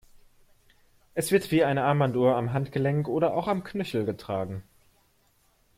Es wird wie eine Armbanduhr am Handgelenk oder auch am Knöchel getragen.